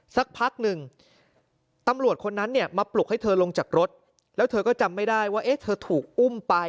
สักพักหนึ่งตำรวจคนนั้นเนี่ยมาปลุกให้เธอลงจากรถแล้วเธอก็จำไม่ได้ว่าเอ๊ะเธอถูกอุ้มไป